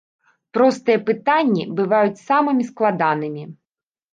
Простыя пытанні бываюць самымі складанымі.